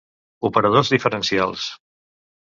Operadors diferencials.